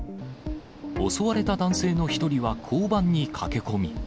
襲われた男性の一人は交番に駆け込み。